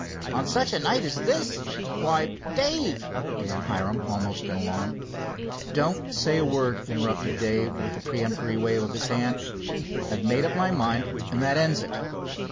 "On such a night as this! Why, Dave," began Hiram, almost in alarm. "Don't say a word," interrupted Dave with a preemptory wave of his hand. "I've made up my mind, and that ends it."